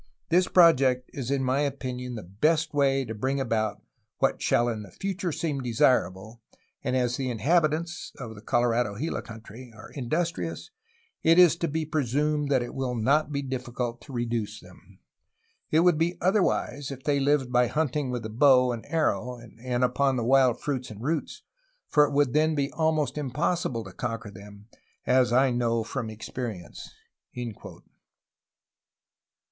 . This project is in my opinion the best way to bring about what shall in the future seem desir able, and as the inhabitants [of the Colorado Gila country] are industrious it is to be presumed that it will not be difficult to re duce them; it would be otherwise if they lived by hunting with the bow and arrow and upon wild fruits and roots, for it would then be almost impossible to conquer them, as I know from experience."